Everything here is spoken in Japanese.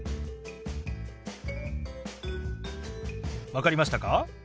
分かりましたか？